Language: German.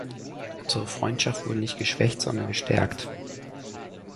Unsere Freundschaft wurde nicht geschwächt, sondern gestärkt.